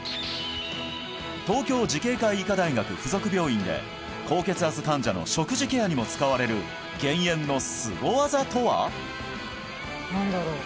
東京慈恵会医科大学附属病院で高血圧患者の食事ケアにも使われる減塩のすご技とは？